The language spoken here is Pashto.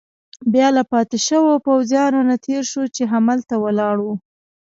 بیا له پاتې شوو پوځیانو نه تېر شوو، چې هملته ولاړ ول.